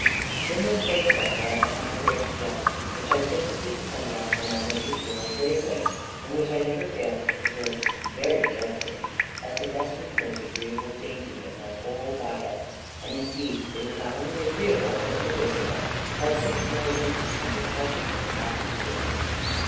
In this place also I had my grapes growing, which I principally depended on for my winter store of raisins, and which I never failed to preserve very carefully, as the best and most agreeable dainty of my whole diet; and indeed they were not only agreeable, but medicinal, wholesome, nourishing, and refreshing to the last degree.